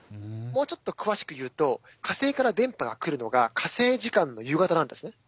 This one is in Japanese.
もうちょっと詳しく言うと火星から電波が来るのが火星時間の夕方なんですね。